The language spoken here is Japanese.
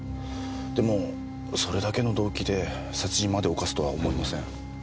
でもそれだけの動機で殺人まで犯すとは思えません。